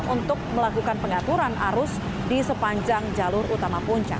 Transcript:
untuk melakukan pengaturan arus di sepanjang jalur utama puncak